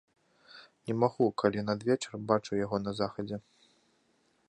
Не магу, калі надвечар бачу яго на захадзе.